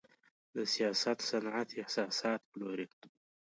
د سیاحت صنعت احساسات پلوري.